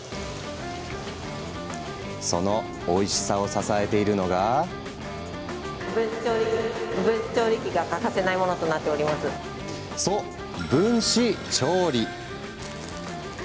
その、おいしさを支えているのが。そう、分子調理。